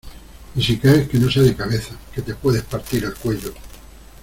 y si caes, que no sea de cabeza , que te puedes partir el cuello.